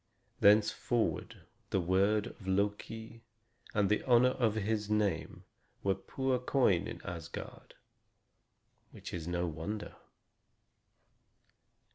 Thenceforward the word of Loki and the honor of his name were poor coin in Asgard; which is no wonder.